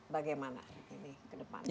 bagaimana ini ke depan